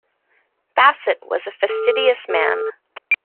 Bassett was a fastidious man.